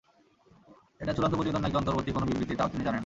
এটা চূড়ান্ত প্রতিবেদন নাকি অন্তর্বর্তী কোনো বিবৃতি, তাও তিনি জানেন না।